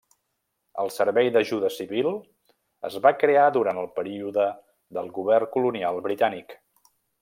El Servei d'Ajuda Civil, es va crear durant el període del govern colonial britànic.